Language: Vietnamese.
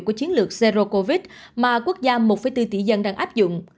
của chiến lược zero covid mà quốc gia một bốn tỷ dân đang áp dụng